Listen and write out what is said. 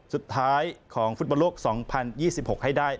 สุดท้ายของฟุตบอลโลก๒๐๒๖ให้ได้